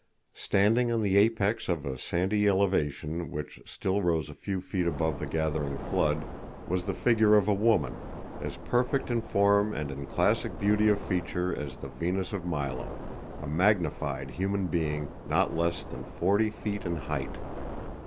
Standing on the apex of a sandy elevation, which still rose a few feet above the gathering flood, was the figure of a woman, as perfect in form and in classic beauty of feature as the Venus of Milo a magnified human being not less than forty feet in height!